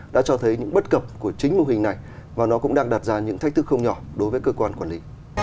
đã cho thấy những bất cập của chính mô hình này và nó cũng đang đặt ra những thách thức không nhỏ đối với cơ quan quản lý